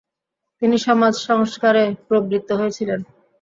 তিনি সমাজ সংস্কারে প্রবৃত্ত হয়েছিলেন।